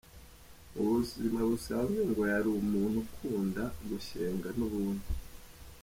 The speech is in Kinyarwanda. Mu buzima busanzwe ngo yari umuntu ukunda gushyenga n’ubundi.